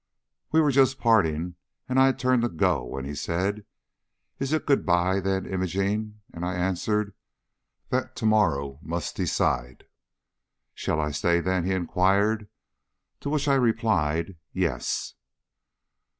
"We were just parting, and I had turned to go, when he said: 'Is it good by, then, Imogene?' and I answered, 'That to morrow must decide.' 'Shall I stay, then?' he inquired; to which I replied, 'Yes.'"